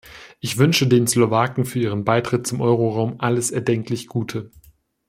Ich wünsche den Slowaken für ihren Beitritt zum Euroraum alles erdenklich Gute.